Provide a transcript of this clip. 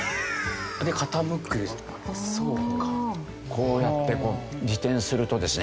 こうやって自転するとですね